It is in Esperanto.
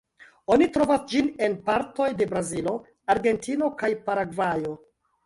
Oni trovas ĝin en partoj de Brazilo, Argentino kaj Paragvajo.